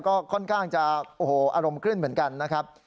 ก็ค่อนข้างจะโอ้โหอารมณ์ขึ้นเหมือนกันนะครับ